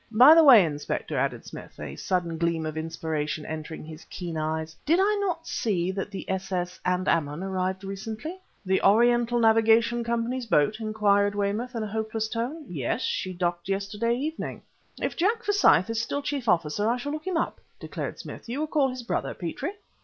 "By the way, Inspector," added Smith, a sudden gleam of inspiration entering his keen eyes "did I not see that the s.s._Andaman_ arrived recently?" "The Oriental Navigation Company's boat?" inquired Weymouth in a hopeless tone. "Yes. She docked yesterday evening." "If Jack Forsyth is still chief officer, I shall look him up," declared Smith. "You recall his brother, Petrie?"